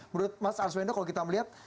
menurut mas arswendo kalau kita melihat